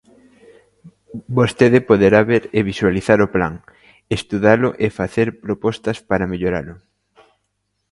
Vostede poderá ver e visualizar o plan, estudalo e facer propostas para melloralo.